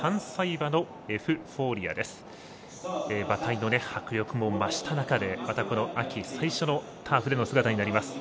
馬体の迫力も増した中でまた、秋最初のターフでの姿になります。